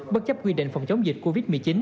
bất chấp quy định phòng chống dịch covid một mươi chín